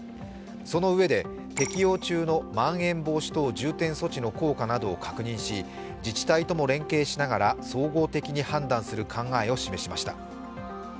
そのうえで適用中のまん延防止等重点措置の効果などを確認し自治体とも連携しながら総合的に判断する考えを示しました。